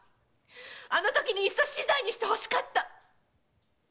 あのときにいっそ死罪にしてほしかった！